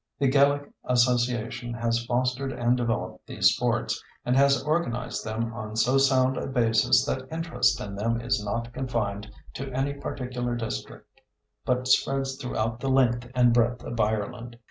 The Gaelic Association has fostered and developed these sports, and has organized them on so sound a basis that interest in them is not confined to any particular district but spreads throughout the length and breadth of Ireland.